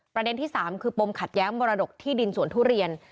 ประเด็นที่๓คือปมขัดแย้งมรดกที่ดินสวนทุเรียน